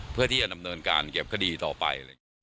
เพื่อที่จะดำเนินการเก็บคดีต่อไป